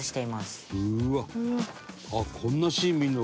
「うわっ！」